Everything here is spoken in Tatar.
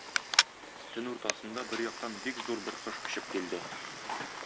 Төн уртасында бер яктан бик зур бер кош очып килде.